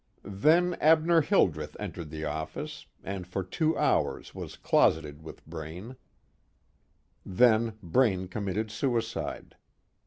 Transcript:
Then Abner Hildreth entered the office, and for two hours was closeted with Braine. Then Braine committed suicide.